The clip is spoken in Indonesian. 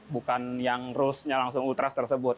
bukan yang rules nya langsung ultras tersebut